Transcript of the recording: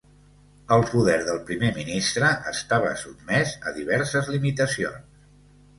El poder del primer ministre està sotmès a diverses limitacions.